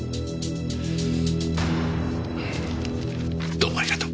どうもありがとう。